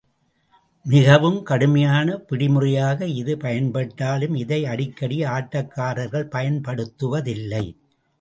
மிகவும் கடுமையான பிடிமுறையாக இது பயன்பட்டாலும், இதை அடிக்கடி ஆட்டக்காரர்கள் பயன்படுத்துவ தில்லை.